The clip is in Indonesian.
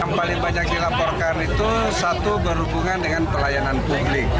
yang paling banyak dilaporkan itu satu berhubungan dengan pelayanan publik